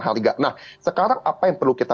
harga nah sekarang apa yang perlu kita